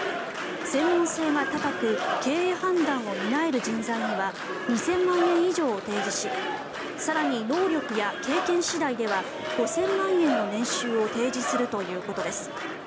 専門性が高く経営判断を担える人材には２０００万円以上を提示し更に、能力や経験次第では５０００万円の年収を提示するということです。